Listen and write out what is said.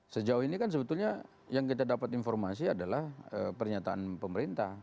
sejauh ini kan sebetulnya yang kita dapat informasi adalah pernyataan pemerintah